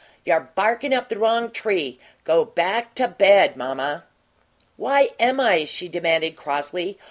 "You're barkin' up the wrong tree! Go on back to bed, mamma!" "Why am I?" she demanded, crossly.